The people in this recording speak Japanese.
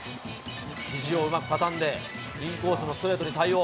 ひじをうまく畳んで、インコースのストレートに対応。